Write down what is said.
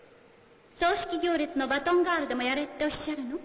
葬式行列のバトンガールでもやれっておっしゃるの？